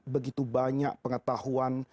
begitu banyak pengetahuan